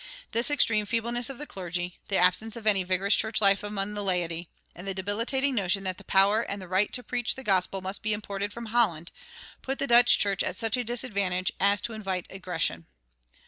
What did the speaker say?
This extreme feebleness of the clergy, the absence of any vigorous church life among the laity, and the debilitating notion that the power and the right to preach the gospel must be imported from Holland, put the Dutch church at such a disadvantage as to invite aggression.